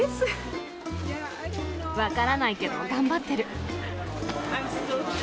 分からないけど頑張ってる。